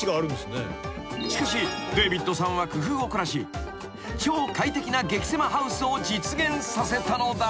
［しかしデービッドさんは工夫を凝らし超快適な激せまハウスを実現させたのだ］